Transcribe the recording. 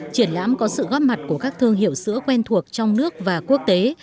triển lãm có sự góp mặt của các thương hiệu sữa quen thuộc trong nước và quốc tế